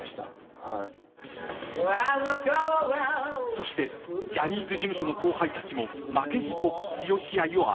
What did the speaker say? ［そしてジャニーズ事務所の後輩たちも負けじと剛愛をアピール］